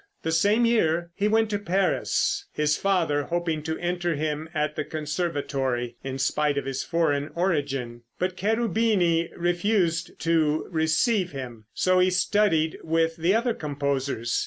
The same year he went to Paris, his father hoping to enter him at the Conservatory, in spite of his foreign origin; but Cherubini refused to receive him, so he studied with other composers.